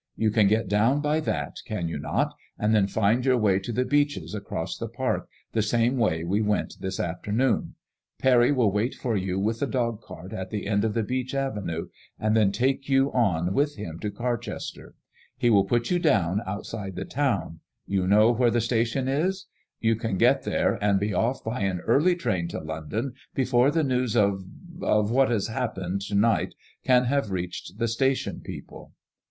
You can get down by that, can you not, and then find your way to the Beeches, across the park, the same way we went this afternoon ? Parry will wait for you with the dogcart at the end of the beech avenue, and then take you on with him to Car chester. He will put you down outside the town ; you know where the station is ? You can MADEMOISELLE IXB. 1 69 get there, and be off by an early train to London before the news of — of what has happened to night can have reached the station people.